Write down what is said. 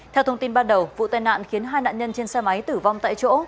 theo thông tin ban đầu vụ tai nạn khiến hai nạn nhân trên xe máy tử vong tại chỗ